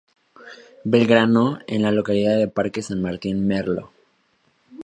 Belgrano, en la localidad de Parque San Martín, Merlo.